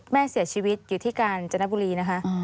แม่เสียชีวิตอยู่ที่กาญจนบุรีนะคะ